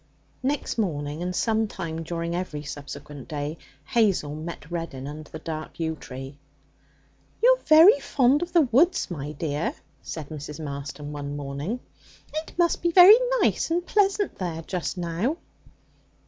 Next morning, and some time during every subsequent day, Hazel met Reddin under the dark yew tree. 'You're very fond of the woods, my dear,' said Mrs. Marston one morning. 'It must be very nice and pleasant there just now.'